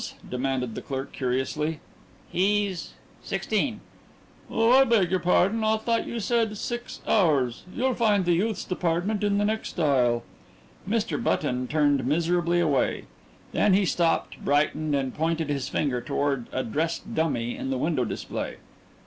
demanded the clerk curiously. "He's sixteen." "Oh, I beg your pardon. I thought you said six hours. You'll find the youths' department in the next aisle." Mr. Button turned miserably away. Then he stopped, brightened, and pointed his finger toward a dressed dummy in the window display.